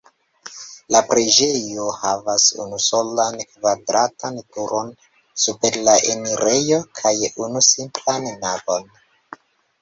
La preĝejo havas unusolan kvadratan turon super la enirejo kaj unu simplan navon.